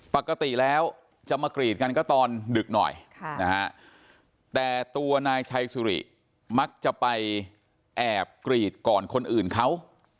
ปกติแล้วจะมากรีดกันก็ตอนดึกหน่อยแต่ตัวนายชัยสุริมักจะไปแอบกรีดก่อนคนอื่นเขา